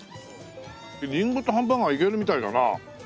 りんごとハンバーガーいけるみたいだな。